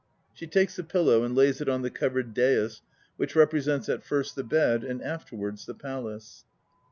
(She takes the pillow and lays it on the covered "dais" which represents at first the bed and afterwards the palace.)